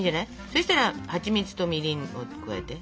そしたらはちみつとみりんを加えて。